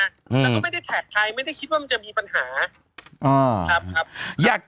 แล้วก็ไม่ได้แท็กใครไม่ได้คิดว่ามันจะมีปัญหา